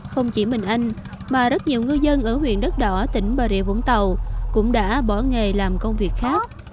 không chỉ mình anh mà rất nhiều ngư dân ở huyện đất đỏ tỉnh bà rịa vũng tàu cũng đã bỏ nghề làm công việc khác